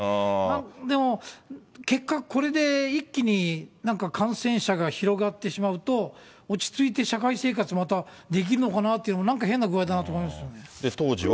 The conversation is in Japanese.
でも、結果、これで一気になんか感染者が広がってしまうと、落ち着いて社会生活、また、できるのかなっていうのは、当時は。